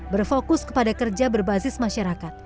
berfokus kepada kerja berbasis masyarakat